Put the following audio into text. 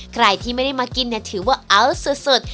ใครที่ไม่ได้มากินถือว่าเอาสุด